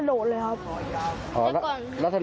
ไม่รู้ไม่รู้ไม่รู้ไม่รู้